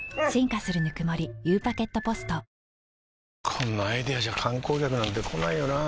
こんなアイデアじゃ観光客なんて来ないよなあ